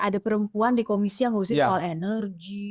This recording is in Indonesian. ada perempuan di komisi yang harusnya all energy